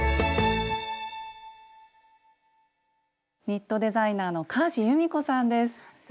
ニットデザイナーの川路ゆみこさんです。